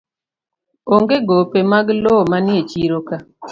Onge gope mag lowo manie chiro ka